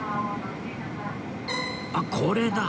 あっこれだ！